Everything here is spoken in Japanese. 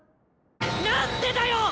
何でだよ